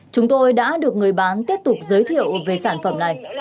chúng tôi đã được người bán tiếp tục giới thiệu về sản phẩm này